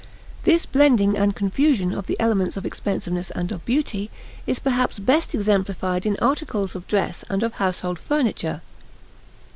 This blending and confusion of the elements of expensiveness and of beauty is, perhaps, best exemplified in articles of dress and of household furniture.